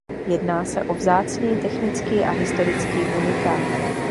Jedná se o vzácný technický a historický unikát.